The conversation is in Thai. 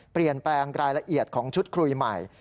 เปลี่ยนแปลงรายละเอียดของชุดคุยใหม่